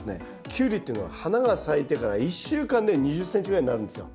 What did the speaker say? キュウリっていうのは花が咲いてから１週間で２０ｃｍぐらいになるんですよ。